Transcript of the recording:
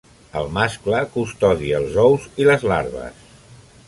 El mascle custodia els ous i les larves.